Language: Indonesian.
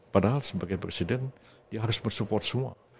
padahal sebagai presiden ya harus bersupport semua